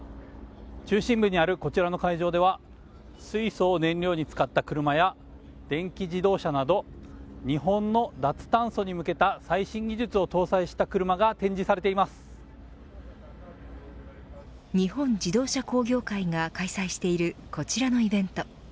中心部にあるこちらの会場では水素を燃料に使った車や電気自動車など日本の脱炭素に向けた最新技術を搭載した車が日本自動車工業会が開催しているこちらのイベント。